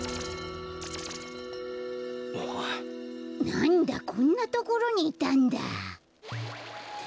なんだこんなところにいたんだ。